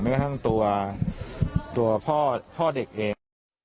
กระทั่งตัวพ่อเด็กเอง